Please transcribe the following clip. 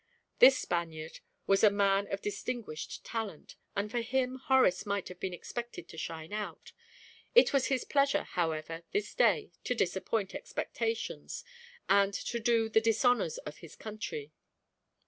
This Spaniard was a man of distinguished talent, and for him Horace might have been expected to shine out; it was his pleasure, however, this day to disappoint expectations, and to do "the dishonours of his country."